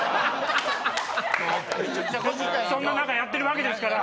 そんな中やってるわけですから。